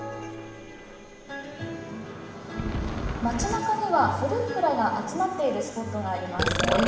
町なかには古い蔵が集まっているスポットがあります。